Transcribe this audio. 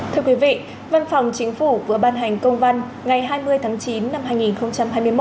thưa quý vị văn phòng chính phủ vừa ban hành công văn ngày hai mươi tháng chín năm hai nghìn hai mươi một